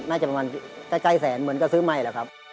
น่าจะประมาณใกล้แสนเหมือนก็ซื้อใหม่แหละครับ